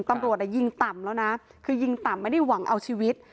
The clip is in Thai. ตำรวจยิงต่ำแล้วนะคือยิงต่ำไม่ได้หวังเอาชีวิต